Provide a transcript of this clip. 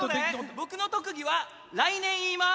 僕の特技は来年言います。